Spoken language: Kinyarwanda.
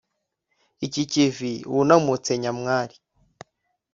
iki kivi wunamutse nyamwari